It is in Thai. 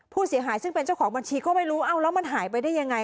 ผู้เสียหายซึ่งเป็นเจ้าของบัญชีก็ไม่รู้เอ้าแล้วมันหายไปได้ยังไง